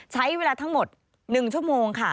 ใช้เวลาทั้งหมด๑ชั่วโมงค่ะ